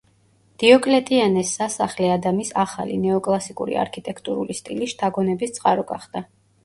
დიოკლეტიანეს სასახლე ადამის ახალი, ნეოკლასიკური არქიტექტურული სტილის შთაგონების წყარო გახდა.